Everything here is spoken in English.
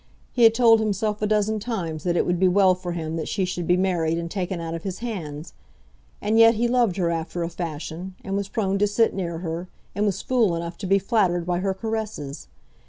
He had told himself a dozen times that it would be well for him that she should be married and taken out of his hands. And yet he loved her after a fashion, and was prone to sit near her, and was fool enough to be flattered by her caresses.